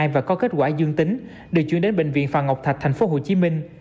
và có kết quả dương tính đều chuyển đến bệnh viện phà ngọc thạch thành phố hồ chí minh